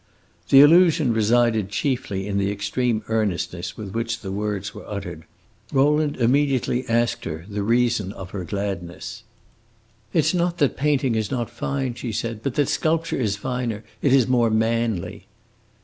The allusion resided chiefly in the extreme earnestness with which the words were uttered. Rowland immediately asked her the reason of her gladness. "It 's not that painting is not fine," she said, "but that sculpture is finer. It is more manly."